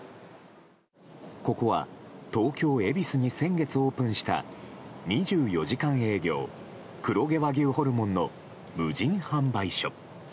ここは、東京・恵比寿に先月オープンした２４時間営業黒毛和牛ホルモンの無人販売所。